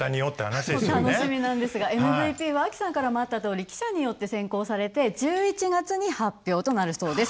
楽しみなんですがＭＶＰはＡＫＩさんからもあったとおり記者によって選考されて１１月に発表となるそうです。